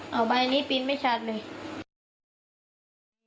เอาไปอันนี้ปริ้นไม่ชัดเลย